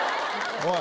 おい！